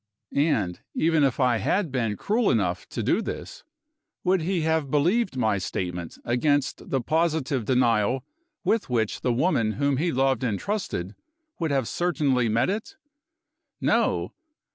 And, even if I had been cruel enough to do this, would he have believed my statement against the positive denial with which the woman whom he loved and trusted would have certainly met it? No!